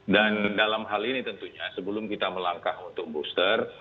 dan dalam hal ini tentunya sebelum kita melangkah untuk booster